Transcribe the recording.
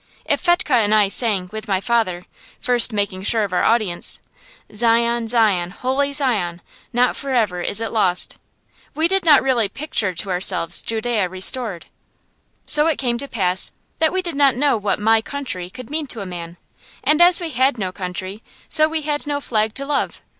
If Fetchke and I sang, with my father, first making sure of our audience, "Zion, Zion, Holy Zion, not forever is it lost," we did not really picture to ourselves Judæa restored. So it came to pass that we did not know what my country could mean to a man. And as we had no country, so we had no flag to love.